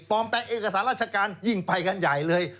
แปลงเอกสารราชการยิ่งไปกันใหญ่เลย